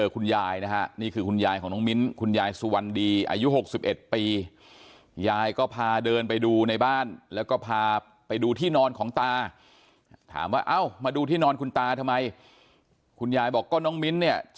คุณยายนะนี่คือคุณยายของน้องมิ้นคุณยายสวรรดีอายุ๖๑ปี